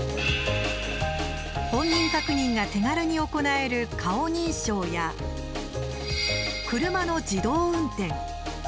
本人確認が手軽に行える顔認証や、車の自動運転。